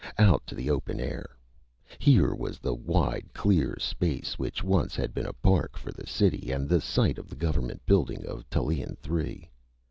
Out to the open air. Here was the wide clear space which once had been a park for the city and the site of the government building of Tallien Three.